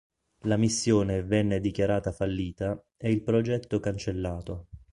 La missione venne dichiarata fallita e il progetto cancellato.